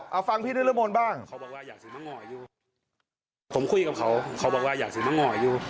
เอาฟังพี่น้ำละมนต์บ้าง